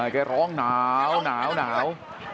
ใกล้ร้องหนาว